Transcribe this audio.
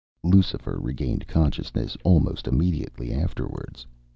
Lucifer regained consciousness almost immediately afterwards.